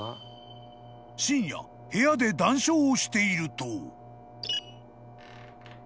［深夜部屋で談笑をしていると］